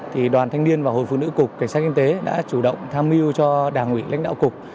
thì đoàn thanh niên và hội phụ nữ cục cảnh sát kinh tế đã chủ động tham mưu cho đảng ủy lãnh đạo cục